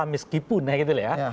meskipun ya gitu ya